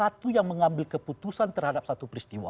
satu yang mengambil keputusan terhadap satu peristiwa